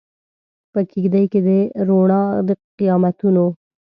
په کیږدۍ کې د روڼا د قیامتونو